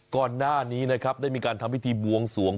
ก่อนหน้านี้นะครับได้มีการทำพิธีบวงสวง